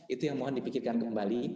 itu yang mohon dipikirkan kembali